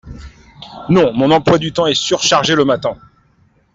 Non. Mon emploi du temps est surchargé le matin.